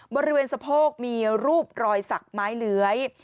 บริเวณสะโพกมีรูปรอยสักไม้เลื้อย